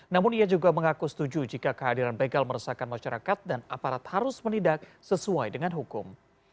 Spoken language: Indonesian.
namun ia juga mengaku setuju jika kehadiran begal meresahkan masyarakat dan aparat harus menindak sesuai dengan hukum